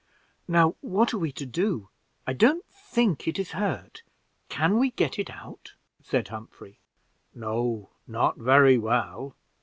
"Now, what are we to do? I don't think it is hurt. Can we get it out?" said Humphrey. "No, not very well.